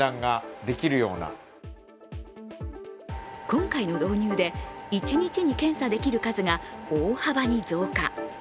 今回の導入で、一日に検査できる数が大幅に増加。